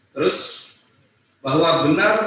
terus bahwa benar